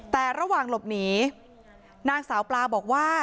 แต่ระหว่างหลบหนีนางสาวปลาบอกว่า